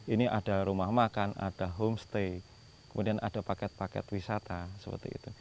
ini ada rumah makan ada homestay kemudian ada paket paket wisata seperti itu